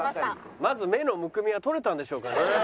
まず目のむくみは取れたんでしょうかね？